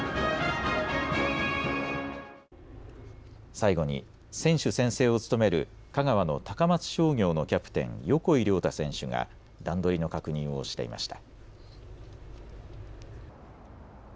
最後に選手宣誓を務める香川の高松商業のキャプテン、横井亮太選手が段取りの確認をしていました。